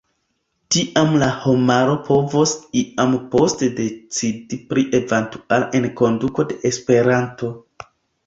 Tiam la homaro povos iam poste decidi pri eventuala enkonduko de Esperanto.